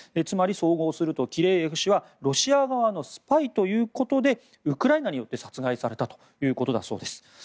つまり、総合するとキレーエフ氏はロシア側のスパイということでウクライナによって殺害されたということだそうです。